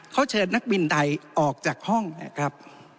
เขาเชิญนักบินใดออกจากห้องนะครับ